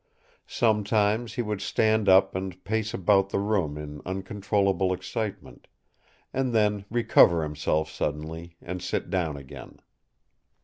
Sometimes he would stand up and pace about the room in uncontrollable excitement; and then recover himself suddenly, and sit down again.